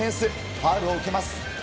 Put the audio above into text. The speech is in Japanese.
ファウルを受けます。